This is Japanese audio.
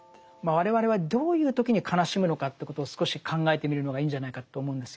我々はどういう時に悲しむのかということを少し考えてみるのがいいんじゃないかと思うんですよね。